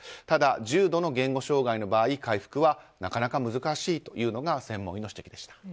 ただ、重度の言語障害の場合回復はなかなか難しいというのが専門医の指摘でした。